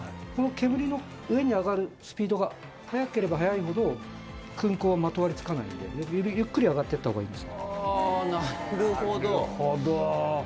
この煙の上に上がるスピードが速ければ速いほど、薫香がまとわりつかないんで、ゆっくり上がっていったほうがいあー、なるほど。